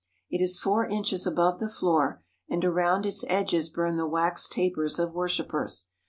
It is four inches above the floor, and around its edges burn the wax tapers of worshippers.